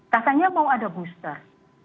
katanya mau ada booster